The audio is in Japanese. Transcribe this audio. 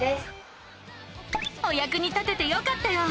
おやくに立ててよかったよ！